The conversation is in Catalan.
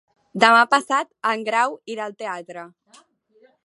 Demà passat en Grau irà al teatre.